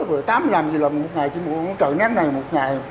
vừa tắm làm gì là một ngày chỉ uống trợ nét này một ngày